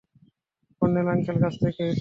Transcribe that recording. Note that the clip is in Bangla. কর্নেল আঙ্কেল কাছ থেকে, হিট্টো।